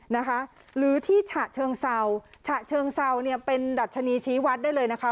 นะคะหรือที่ฉะเชิงเซาฉะเชิงเซาเป็นแดดชโรษนีชีวัตรได้เลยนะคะ